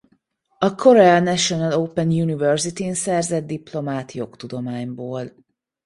A Korea National Open University-n szerzett diplomát jogtudományból.